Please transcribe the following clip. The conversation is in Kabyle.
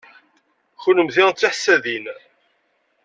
Kennemti d tiḥessadin.